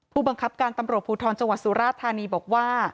ผู้บังคับการตำรวจภูทรจังหวัดสุราธานีบอกว่า